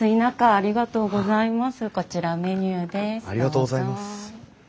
ありがとうございます。